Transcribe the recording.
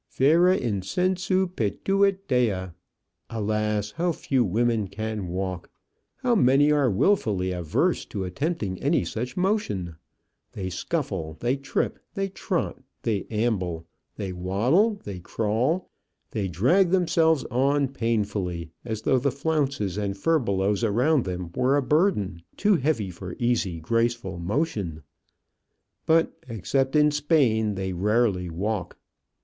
"Vera incessu patuit Dea." Alas! how few women can walk! how many are wilfully averse to attempting any such motion! They scuffle, they trip, they trot, they amble, they waddle, they crawl, they drag themselves on painfully, as though the flounces and furbelows around them were a burden too heavy for easy, graceful motion; but, except in Spain, they rarely walk.